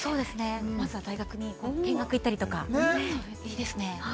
まずは大学に見学行ったりとかいいですね。